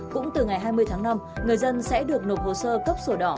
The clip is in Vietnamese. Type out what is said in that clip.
cũng từ ngày hai mươi tháng năm người dân sẽ được nộp hồ sơ cấp sổ đỏ